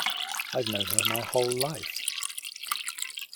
I've known her my whole life.